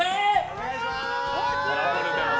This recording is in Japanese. お願いします！